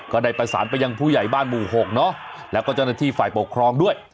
ก็ได้ประสานไปยังผู้ใหญ่บ้านหมู่๖เนอะแล้วก็เจ้าหน้าที่ฝ่ายปกครองด้วย